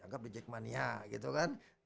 dianggap di jack mania gitu kan